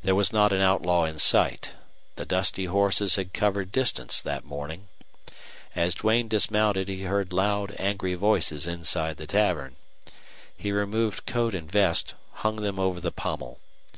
There was not an outlaw in sight. The dusty horses had covered distance that morning. As Duane dismounted he heard loud, angry voices inside the tavern. He removed coat and vest, hung them over the pommel.